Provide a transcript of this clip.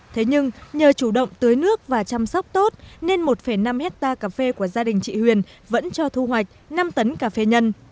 thế nhưng nhờ chủ động tưới nước và chăm sóc tốt nên một năm hectare cà phê của gia đình chị huyền vẫn cho thu hoạch năm tấn cà phê nhân